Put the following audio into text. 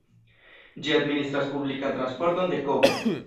Ĝi administras publikan transporton de Kobe.